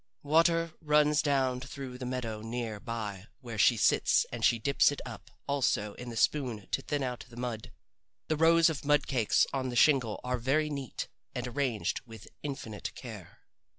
Water runs down through the meadow near by where she sits and she dips it up also in the spoon to thin out the mud. The rows of mud cakes on the shingle are very neat and arranged with infinite care.